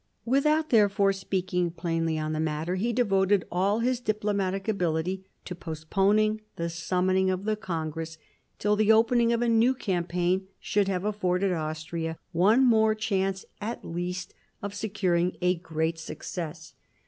Without therefore speaking plainly on the matter, he devoted all his diplomatic ability to postponing the summoning of the congress till the opening of a new campaign should have afforded Austria one more chance at least of securing a great success.